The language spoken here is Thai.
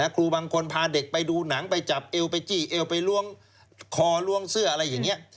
ครูบางคนพาเด็กไปดูหนังไปจับเอวไปจี้เอวไปล้วงคอล้วงเสื้ออะไรอย่างนี้